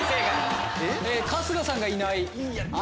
春日さんがいない。